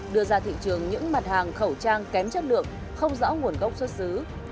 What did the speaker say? đưa ra thị trường những mặt hàng khẩu trang kém chất lượng không rõ nguồn gốc xuất xứ